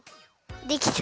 できた。